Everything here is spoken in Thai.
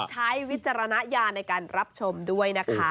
วิจารณญาณในการรับชมด้วยนะคะ